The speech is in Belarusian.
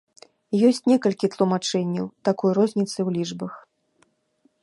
Ёсць некалькі тлумачэнняў такой розніцы ў лічбах.